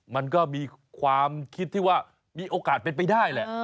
มันก็มีความคิดที่ว่ามีโอกาสเป็นไปได้แหละ